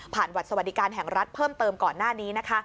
ผ่านหวัดสวัสดิการแห่งรัฐเพิ่มเติมก่อนหน้านี้